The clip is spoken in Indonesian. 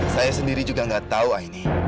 saya sendiri juga gak tahu aini